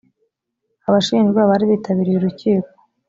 abashinjwa bari bitabiriye urukiko.